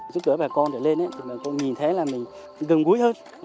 giúp đỡ bà con để lên thì bà con nhìn thấy là mình gần vui hơn